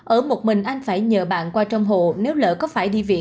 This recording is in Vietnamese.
ở một mình anh phải nhờ bạn qua trong hộ nếu lỡ có phải đi viện